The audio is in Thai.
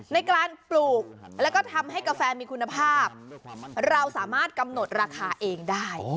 ในการปลูกแล้วก็ทำให้กาแฟมีคุณภาพเราสามารถกำหนดราคาเองได้